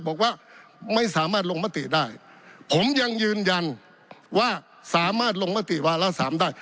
บอกว่าไม่สามารถลงมติได้ผมยังยืนยันว่าสามารถลงมติวาระสามได้